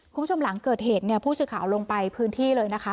คุณผู้ชมหลังเกิดเหตุเนี่ยผู้สื่อข่าวลงไปพื้นที่เลยนะคะ